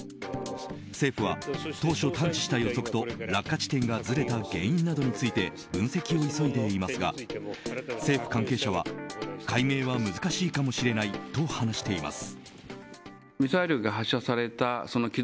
政府は当初探知した予測と落下地点がずれた原因などについて分析を急いでいますが政府関係者は解明は難しいかもしれないと話しています。